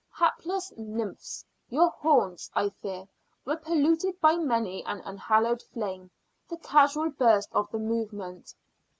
Hapless nymphs! your haunts, I fear, were polluted by many an unhallowed flame, the casual burst of the moment!